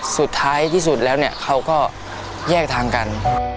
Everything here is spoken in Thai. สุดท้ายที่สุดแล้วเนี่ยเขาก็แยกทางกัน